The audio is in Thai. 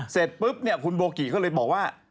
เสร็จปุ๊บคุณโบกิเขาเลยบอกว่า